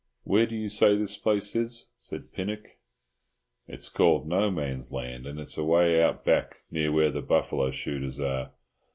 "Where do you say this place is?" said Pinnock. "It's called No Man's Land, and it's away out back near where the buffalo shooters are.